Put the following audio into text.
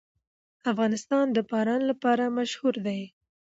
افغانستان د باران لپاره مشهور دی.